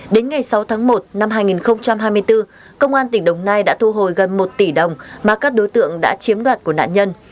đến ngày sáu tháng một năm hai nghìn hai mươi bốn công an tỉnh đồng nai đã thu hồi gần một tỷ đồng mà các đối tượng đã chiếm đoạt của nạn nhân